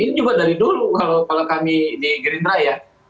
ini juga dari dulu kalau kami di gerindra ya